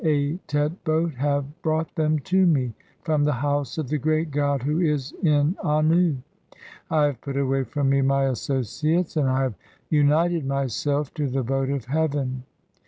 1 05 "and the Atet boat have (5) brought them to me from the house "of the great god who is in Annu. I have put away from me "my associates, and I have united myself to the boat of heaven.